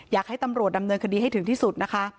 อยากให้ตำรวจดำเนินคดีให้ถึงที่สุดนะคะ